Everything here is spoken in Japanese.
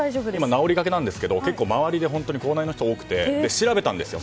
治りかけなんですけど周りで口内炎の人が多くて調べたんですよ。